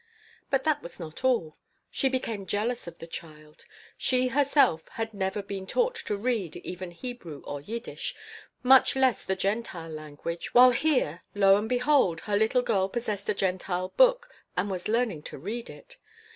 But that was not all. She became jealous of the child. She herself had never been taught to read even Hebrew or Yiddish, much less a Gentile language, while here, lo and behold! her little girl possessed a Gentile book and was learning to read it.